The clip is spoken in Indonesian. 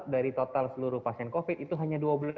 dari total seluruh pasien covid itu hanya